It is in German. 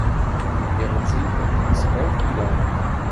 Beehren Sie uns bald wieder!